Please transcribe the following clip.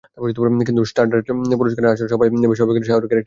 কিন্তু স্টারডাস্ট পুরস্কারের আসরে সবাই বেশ অবাকই হয়েছেন শাহরুখের একটি ঘোষণায়।